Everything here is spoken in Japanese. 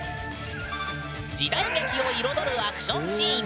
時代劇を彩るアクションシーン